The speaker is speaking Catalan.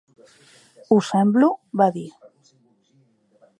"Ho semblo?", va dir.